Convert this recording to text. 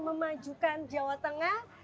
memajukan jawa tengah